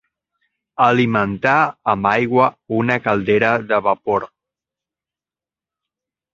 Alimentar amb aigua una caldera de vapor.